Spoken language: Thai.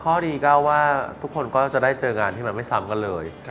ข้อดีก็ว่าทุกคนก็จะได้เจองานที่มันไม่ซ้ำกันเลย